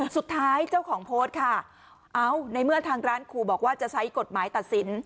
เจ้าของโพสต์ค่ะเอ้าในเมื่อทางร้านขู่บอกว่าจะใช้กฎหมายตัดสิน